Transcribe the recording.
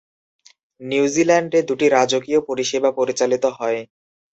নিউজিল্যান্ডে দুটি রাজকীয় পরিষেবা পরিচালিত হয়।